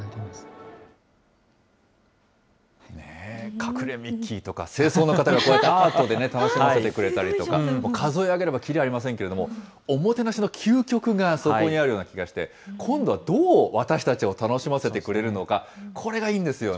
隠れミッキーとか、清掃の方がアートで楽しませてくれたりとか、数え上げればきりありませんけれども、おもてなしの究極がそこにあるような気がして、今度はどう私たちを楽しませてくれるのか、これがいいんですよね。